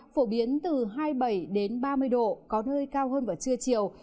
phổ biến từ hai mươi bảy đến ba mươi độ có nơi cao hơn vào trưa chiều